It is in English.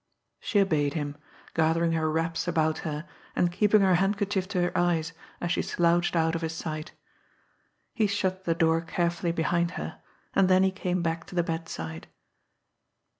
She obeyed him, gathering her wraps about her, and keeping her handkerchief to her eyes, as she slouched out of his sight. He shut the door carefully behind her, and then he came back to the bedside.